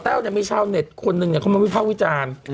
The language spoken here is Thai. แต้วยังไม่ช่าวเน็ตคนนึงเขามันฟิภาเอาวิจารณ์